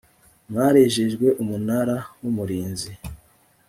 mwarejejwe umunara w umurinzi